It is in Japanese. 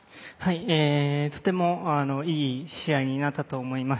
とてもいい試合になったと思います。